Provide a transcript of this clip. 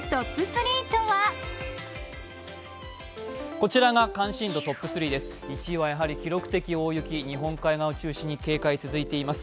こちらが関心度トップ３です１位はやはり記録的大雪、日本海側を中心に警戒が続いています。